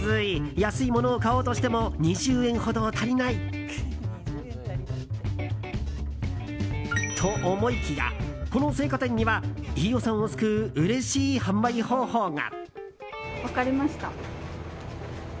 安いものを買おうとしても２０円ほど足りない。と思いきや、この青果店には飯尾さんを救ううれしい販売方法が。